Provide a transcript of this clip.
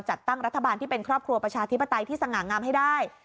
จัดตั้งรัฐบาลที่เป็นครอบครัวประชาธิปไตยที่สง่างามให้ได้